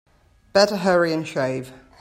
Better hurry and shave.